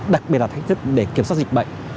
đặc biệt là thách thức để kiểm soát dịch bệnh